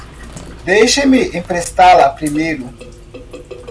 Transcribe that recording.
Deixe-me emprestá-la primeiro.